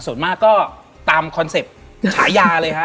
ส่วนมากก็ตามคอนเซ็ปต์ฉายาเลยฮะ